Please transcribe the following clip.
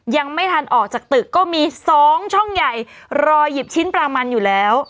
ยังไม่ทันออกจากตึกก็มี๒ช่องใหญ่รอหยิบชิ้นปลามันอยู่แล้ว